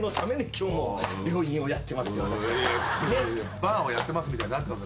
「バーをやってます」みたいになるからさ先生。